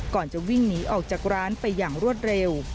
ก่อนจะวิ่งหนีออกจากร้านไปอย่างรวดเร็ว